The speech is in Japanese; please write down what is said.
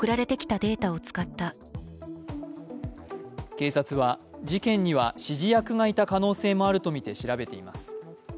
警察は、事件には指示役がいた可能性もあるとみて調べています。